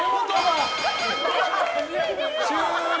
終了。